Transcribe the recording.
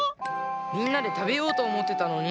みんなでたべようとおもってたのに。